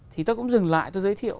thì tôi cũng dừng lại tôi giới thiệu